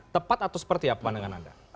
tepat atau seperti apa pandangan anda